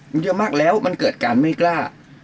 มันเยอะมากแล้วมันเกิดการไม่กล้า